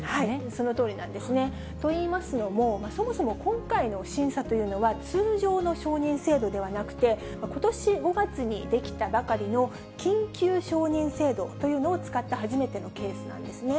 そのとおりなんですね。といいますのも、そもそも今回の審査というのは、通常の承認制度ではなくて、ことし５月に出来たばかりの、緊急承認制度というのを使った、初めてのケースなんですね。